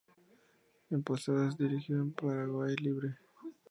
En Posadas, dirigió "El Paraguay Libre".